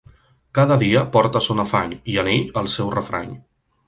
Cada dia porta son afany, i en ell el seu refrany.